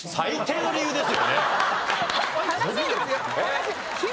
悲しいですよ。